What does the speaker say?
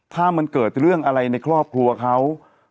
ถ้ามันเกิดเรื่องอะไรในครอบครัวเขา